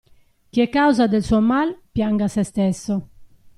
Chi è causa del suo mal, pianga se stesso.